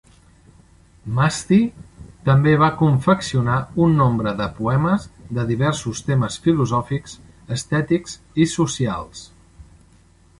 Maasti també va confeccionar un nombre de poemes de diversos temes filosòfics, estètics i socials.